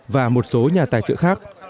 và một số nhà tài trợ khác